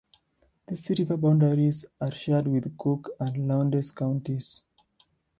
These river boundaries are shared with Cook and Lowndes counties.